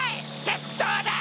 決闘だ！